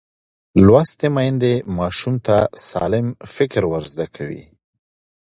لوستې میندې ماشوم ته سالم فکر ورزده کوي.